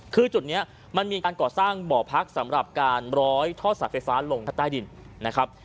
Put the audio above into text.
คือจุดนี้มันมีการก่อสร้างบ่อพักสำหรับการร้อยท่อสัตว์ไฟฟ้าลงใต้ดินนะครับ